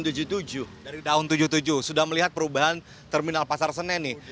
dari tahun seribu sembilan ratus tujuh puluh tujuh sudah melihat perubahan terminal pasar senen nih